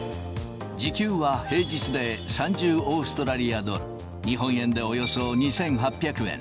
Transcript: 時給は平日で３０オーストラリアドル、日本円でおよそ２８００円。